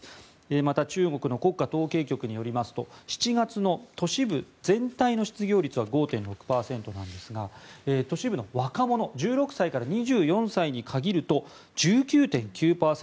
また中国の国家統計局によりますと７月の都市部全体の失業率は５．６％なんですが都市部の若者１６歳から２４歳に限ると１９．９％